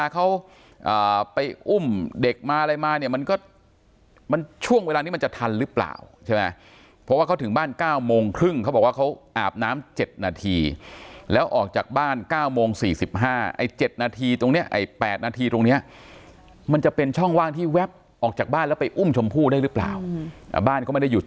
กลับมาด้วยกันก็มีป้าแต่นอยู่ด้วย